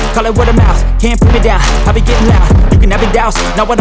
kami bertiga ini mau jengukin anaknya